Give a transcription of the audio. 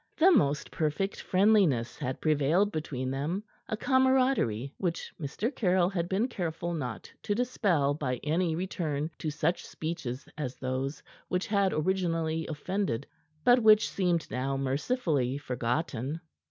The most perfect friendliness had prevailed between them; a camaraderie which Mr. Caryll had been careful not to dispel by any return to such speeches as those which had originally offended but which seemed now mercifully forgotten.